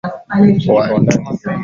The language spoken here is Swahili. Katherine alikuwa mrembo sana